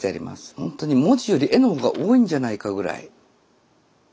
ほんとに文字より絵の方が多いんじゃないかぐらい。